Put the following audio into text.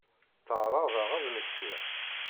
Tteɛraḍeɣ ad d-mmektiɣ.